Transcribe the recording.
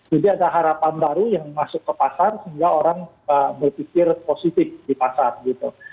jadi ada harapan baru yang masuk ke pasar sehingga orang berpikir positif di pasar gitu